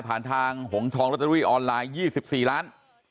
ผ่านทางหงษองรัตเตอรี่ออนไลน์๒๔ล้าน